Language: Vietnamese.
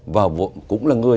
và cũng là người